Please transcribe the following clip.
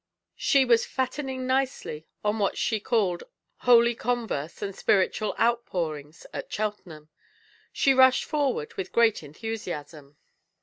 She was fattening nicely on what she called "holy converse and spiritual outpourings at Cheltenham." She rushed forward with great enthusiasm.